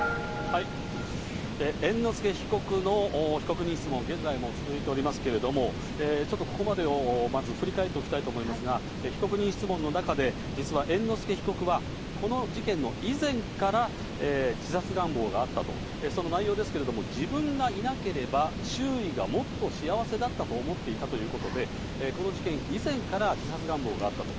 猿之助被告の被告人質問、現在も続いておりますけれども、ちょっとここまでを、まず振り返っておきたいと思いますが、被告人質問の中で、実は猿之助被告は、この事件の以前から自殺願望があったと、その内容ですけれども、自分がいなければ周囲がもっと幸せだったと思っていたということで、この事件以前から自殺願望があったと。